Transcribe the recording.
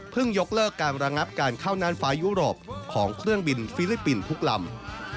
ยกเลิกการระงับการเข้าน่านฟ้ายุโรปของเครื่องบินฟิลิปปินส์ทุกลำ